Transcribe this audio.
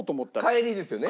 帰りですよね？